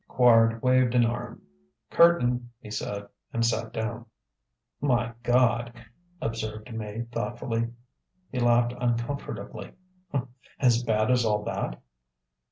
Quard waved an arm. "Curtain!" he said; and sat down. "My Gawd!" observed May thoughtfully. He laughed uncomfortably: "As bad as all that?"